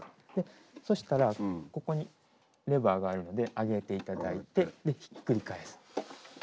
そしたらここにレバーがあるので上げて頂いてでひっくり返す。